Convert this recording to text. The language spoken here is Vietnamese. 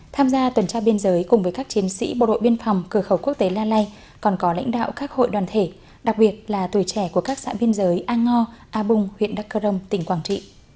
tham gia tuần tra biên giới cùng với các chiến sĩ bộ đội biên phòng cửa khẩu quốc tế la lai còn có lãnh đạo các hội đoàn thể đặc biệt là tuổi trẻ của các xã biên giới a ngo a bung huyện đắc cơ rông tỉnh quảng trị